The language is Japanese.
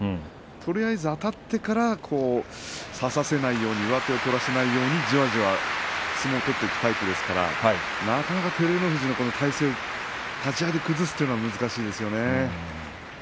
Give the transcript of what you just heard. とりあえずあたってから差させないように上手を取らせないようにじわじわと相撲を取っていくタイプですからなかなか、この照ノ富士を立ち合いで崩すというのは難しいですよね。